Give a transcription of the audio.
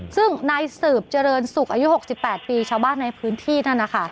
ซึ่งนายสืบเจริญสุขอายุ๖๘ปีชาวบ้านในพื้นที่นั่นนะคะ